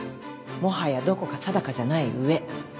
もはやどこか定かじゃない上。